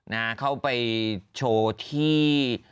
นะเข้าไปโชว์ที่